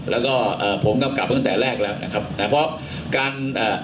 แล้วก็เอ่อผมกำกับตั้งแต่แรกแล้วนะครับนะเพราะการเอ่อ